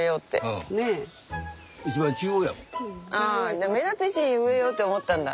ああじゃあ目立つ位置に植えようって思ったんだ。